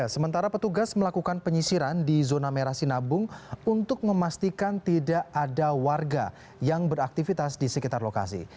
sementara petugas melakukan penyisiran di zona merah sinabung untuk memastikan tidak ada warga yang beraktivitas di sekitar lokasi